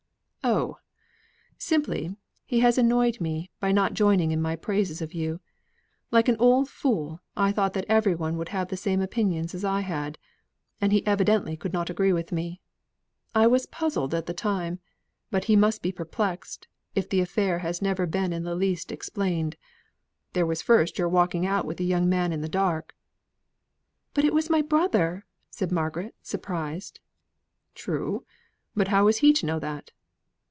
"Oh! simply he has annoyed me by not joining in my praises of you. Like an old fool, I thought that every one would have the same opinion as I had; and he evidently could not agree with me. I was puzzled at the time. But he must be perplexed, if the affair has never been in the least explained. There was first your walking out with a young man in the dark " "But it was my brother!" said Margaret, surprised. "True. But how was he to know that?"